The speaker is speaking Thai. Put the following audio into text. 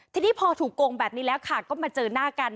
ทีนี้พอถูกโกงแบบนี้แล้วค่ะก็มาเจอหน้ากัน